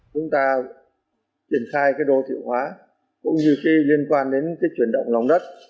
chúng ta triển khai đô thiệu hóa cũng như khi liên quan đến chuyển động lòng đất